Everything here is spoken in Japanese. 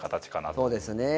そうですね。